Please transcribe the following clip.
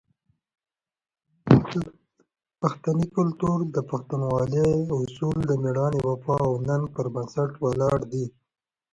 د پښتني کلتور "پښتونولي" اصول د مېړانې، وفا او ننګ پر بنسټ ولاړ دي.